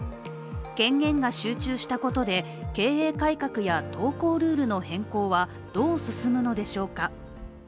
権限が集中したことで、経営改革や投稿ルールの変更はどう進むのでしょうか。